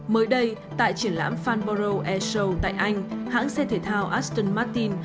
mới đây tại triển lãm fanboro airshow tại anh hãng xe thể thao aston martin